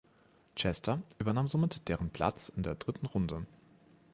Chester übernahm somit deren Platz in der dritten Runde.